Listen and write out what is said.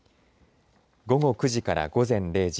午後９時から午前０時。